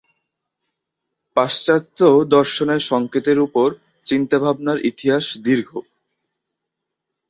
পাশ্চাত্য দর্শনে সংকেতের উপর চিন্তাভাবনার ইতিহাস দীর্ঘ।